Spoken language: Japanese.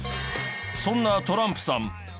そんなトランプさん